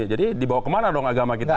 jadi dibawa ke mana dong agama kita